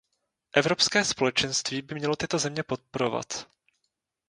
Evropské Společenství by mělo tyto země podporovat.